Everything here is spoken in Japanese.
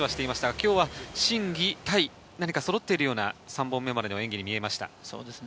今日は心・技・体、何かそろっているような３本目までの演技に見えました。